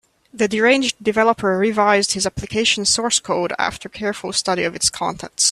The deranged developer revised his application source code after a careful study of its contents.